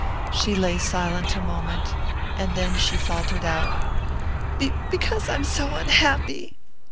She lay silent a moment; then she faltered out: "B because I'm so unhappy!"